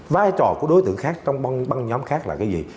vai trò của đối tượng khác trong băng nhóm khác là cái gì